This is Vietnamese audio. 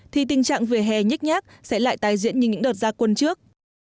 thì tình trạng vỉa hè nhích nhát sẽ lại tài diện như những đợt ra quân trước